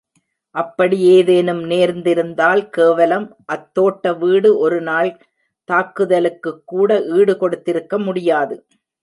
அப்படி ஏதேனும் நேர்ந்திருந்தால், கேவலம் அத்தோட்ட வீடு ஒரு நாள் தாக்குதலுக்குக் கூட ஈடு கொடுத்திருக்க முடியாது.